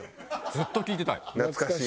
ずっと聴いてたい。